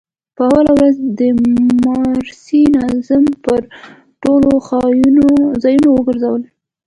په اوله ورځ د مدرسې ناظم پر ټولو ځايونو وگرځولو.